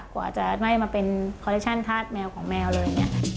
กว่าจะไม่มาเป็นคอลเลคชั่นคาดแมวของแมวเลย